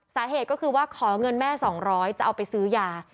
สาเหตุก็คือว่าขอเงินแม่๒๐๐จะเอาไปซื้อยา